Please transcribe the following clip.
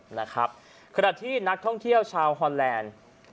ขณะที่นักท่องเที่ยวชาวฮอนแลนด์